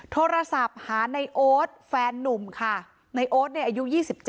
โทรศัพท์หาในโอ๊ตแฟนนุ่มค่ะในโอ๊ตเนี่ยอายุ๒๗